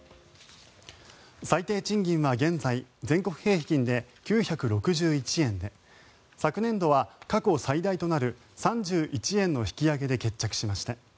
最低賃金は現在全国平均で９６１円で昨年度は過去最大となる３１円の引き上げで決着しました。